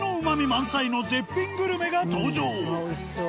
満載の絶品グルメが登場。